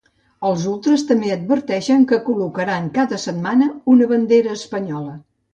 Els ultres també adverteixen que col·locaran cada setmana una bandera espanyola.